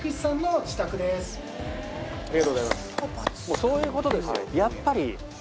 そういうことですよ。